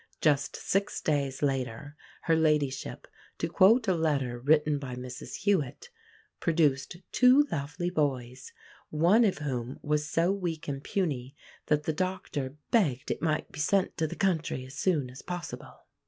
Just six days later her ladyship, to quote a letter written by Mrs Hewit, "produced two lovely boys," one of whom was so weak and puny that the doctor "begged it might be sent to the country as soon as possible."